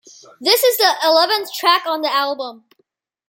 This is the eleventh track on the album.